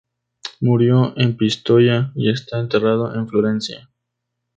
Murió en Pistoia y está enterrado en Florencia.